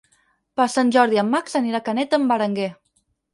Per Sant Jordi en Max anirà a Canet d'en Berenguer.